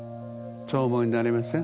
そう思いになりません？